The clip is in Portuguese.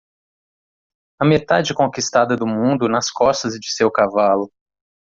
A metade conquistada do mundo nas costas de seu cavalo.